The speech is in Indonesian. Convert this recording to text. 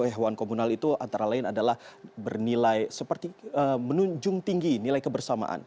hewan komunal itu antara lain adalah bernilai seperti menunjung tinggi nilai kebersamaan